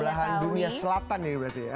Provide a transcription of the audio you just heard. belahan dunia selatan ini berarti ya